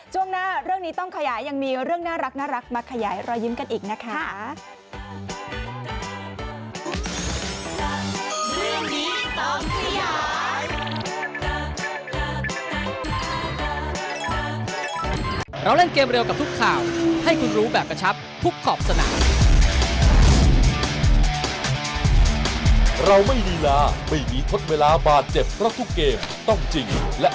ช่วงหน้าเรื่องนี้ต้องขยายยังมีเรื่องน่ารักมาขยายรอยยิ้มกันอีกนะคะ